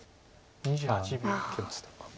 ああ受けましたか。